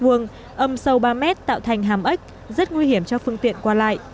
ấm sâu ba m tạo thành hàm ếch rất nguy hiểm cho phương tiện qua lại